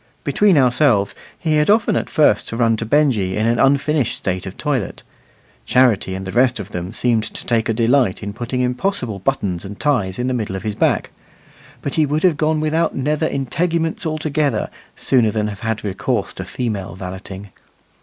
Between ourselves, he had often at first to run to Benjy in an unfinished state of toilet. Charity and the rest of them seemed to take a delight in putting impossible buttons and ties in the middle of his back; but he would have gone without nether integuments altogether, sooner than have had recourse to female valeting.